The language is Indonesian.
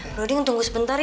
broding tunggu sebentar ya